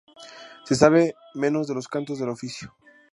Se sabe menos de los cantos del Oficio.